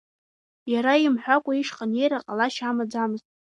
Иара имҳәакәа ишҟа анеира ҟалашьа амаӡамызт.